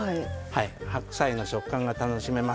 白菜の食感が楽しめます。